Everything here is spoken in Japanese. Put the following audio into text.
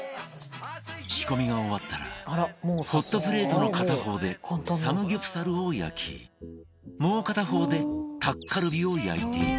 仕込みが終わったらホットプレートの片方でサムギョプサルを焼きもう片方でタッカルビを焼いていく